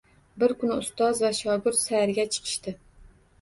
Bir kuni ustoz va shogird sayrga chiqishdi